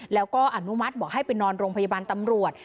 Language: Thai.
แล้วก็อนุมัติบอกให้ไปนอนโรงพยาบาลตำรวจ